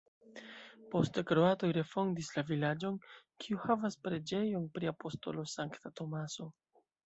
Poste kroatoj refondis la vilaĝon, kiu havas preĝejon pri apostolo Sankta Tomaso.